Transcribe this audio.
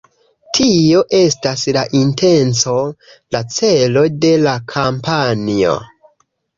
Tio estas la intenco, la celo de la kampanjo.